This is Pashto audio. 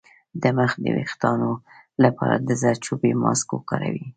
د مخ د ويښتانو لپاره د زردچوبې ماسک وکاروئ